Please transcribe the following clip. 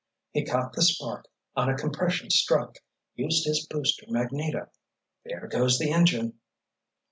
He caught the spark on a compression stroke—used his 'booster magneto.' There goes the engine."